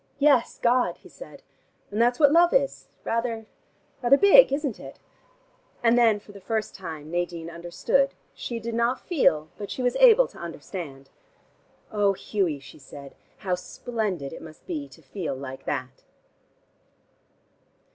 "Yes, God," he said. "And that's what love is. Rather rather big, isn't it?" And then for the first time, Nadine understood. She did not feel, but she was able to understand. "Oh, Hughie," she said, "how splendid it must be to feel like that!"